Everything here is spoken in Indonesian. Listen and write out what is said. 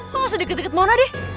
lo gak sedikit sedikit mona deh